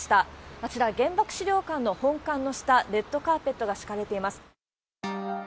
あちら、原爆資料館の本館の下、レッドカーペットが敷かれています。